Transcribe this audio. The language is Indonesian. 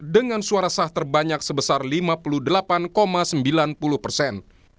dengan suara sah terbanyak sebesar lima puluh delapan sembilan puluh persen